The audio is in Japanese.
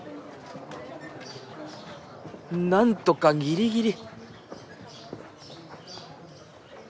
なんとかギリギリ。